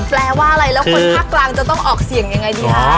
แปลว่าอะไรแล้วคนภาคกลางจะต้องออกเสี่ยงยังไงดีคะ